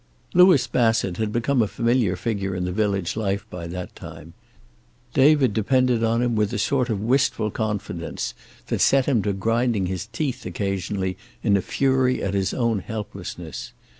Louis Bassett had become a familiar figure in the village life by that time. David depended on him with a sort of wistful confidence that set him to grinding his teeth occasionally in a fury at his own helplessness.